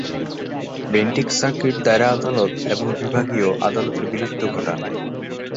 Bentinck circuit দায়রা আদালত এবং বিভাগীয় আদালতের বিলুপ্তি ঘটান।